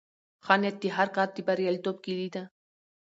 ښه نیت د هر کار د بریالیتوب کیلي ده.